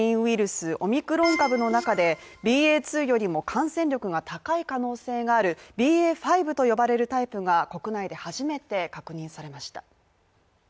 スオミクロン株の中でＢＡ．２よりも感染力が高い可能性があるＢＡ．５と呼ばれるタイプが国内で初めて確認されました。